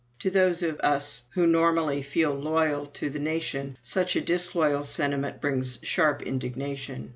To those of us who normally feel loyal to the nation, such a disloyal sentiment brings sharp indignation.